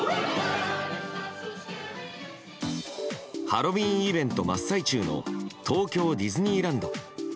ハロウィーンイベント真っ最中の東京ディズニーランド。